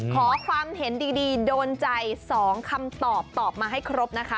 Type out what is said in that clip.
ขอความเห็นดีโดนใจ๒คำตอบตอบมาให้ครบนะคะ